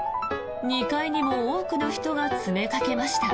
２階にも多くの人が詰めかけました。